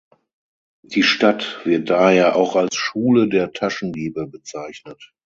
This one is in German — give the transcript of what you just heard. Die Stadt wird daher auch als „Schule der Taschendiebe“ bezeichnet.